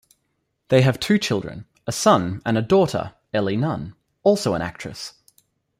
They have two children: a son and a daughter Ellie Nunn also an actress.